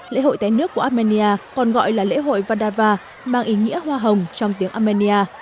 lễ hội té nước của armenia còn gọi là lễ hội vadava mang ý nghĩa hoa hồng trong tiếng armenia